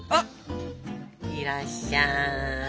いらっしゃい。